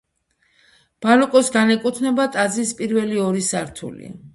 ბაროკოს განეკუთვნება ტაძრის პირველი ორი სართული.